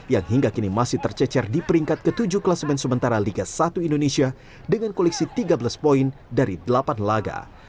yang hingga kini masih tercecer di peringkat ke tujuh kelas men sementara liga satu indonesia dengan koleksi tiga belas poin dari delapan laga